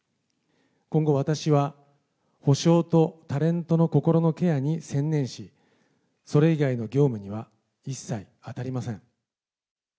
今後、私は補償とタレントの心のケアに専念し、それ以外の業務には一切あたりません。